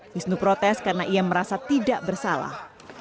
wisnu protes karena ia merasa tidak bersalah